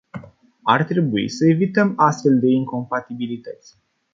Ar trebui să evităm astfel de incompatibilități.